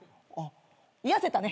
癒やせたね。